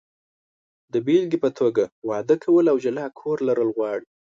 د بېلګې په توګه، واده کول او جلا کور لرل غواړي.